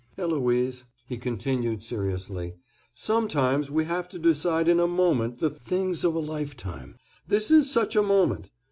Eloise," he continued seriously, "sometimes we have to decide in a moment the things of a life time. This is such a moment.